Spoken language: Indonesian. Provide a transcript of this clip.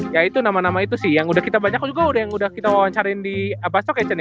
ya itu nama nama itu sih yang udah kita banyak juga udah yang udah kita wawancarin di pasok ya